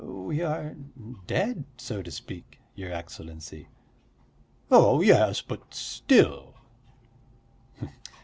"We are dead, so to speak, your Excellency." "Oh, yes! But still...."